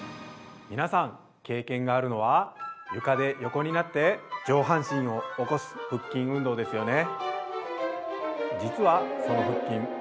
◆皆さん、経験があるのは床で横になって上半身を起こす腹筋運動ですよね。